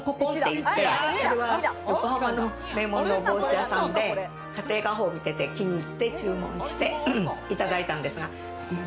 これは横浜の名門の帽子屋さんで『家庭画報』見てて気に入って注文していただいたんですが。